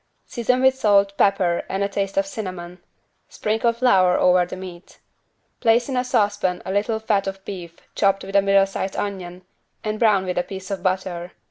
Season with salt, pepper and a taste of cinnamon. Sprinkle flour over the meat. Place in a saucepan a little fat of beef chopped with a middle sized onion and brown with a piece of butter.